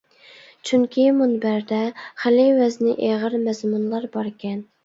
چۈنكى مۇنبەردە خېلى ۋەزنى ئېغىر مەزمۇنلار باركەن.